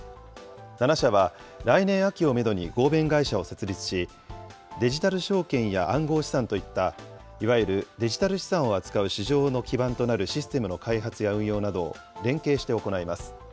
７社は来年秋をメドに合弁会社を設立し、デジタル証券や暗号資産といったいわゆるデジタル資産を扱う市場の基盤となるシステムの開発や運用などを連携して行います。